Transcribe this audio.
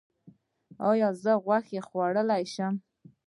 ایا زه غوښه خوړلی شم؟